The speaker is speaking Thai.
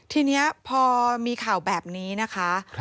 ทีนี้พอมีข่าวแบบนี้นะคะ